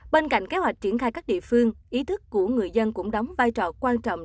bên cạnh kế hoạch triển khai các địa phương ý thức của người dân cũng đóng vai trò quan trọng